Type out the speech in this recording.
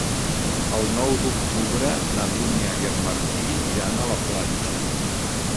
El nou d'octubre na Dúnia i en Martí iran a la platja.